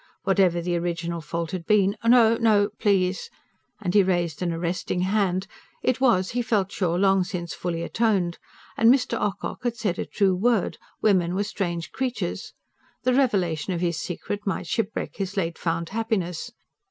Whatever the original fault had been no, no, please! ... and he raised an arresting hand it was, he felt sure, long since fully atoned. And Mr. Ocock had said a true word: women were strange creatures. The revelation of his secret might shipwreck his late found happiness.